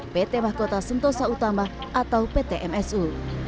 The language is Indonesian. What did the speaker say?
pt mahkota sentosa utama atau pt msu